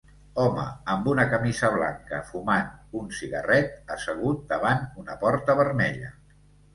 Home amb una camisa blanca, fumant un cigarret, assegut davant una porta vermella.